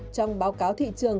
trong báo cáo thị trường